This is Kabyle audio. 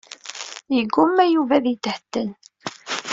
Yegguma Yuba ad yethedden.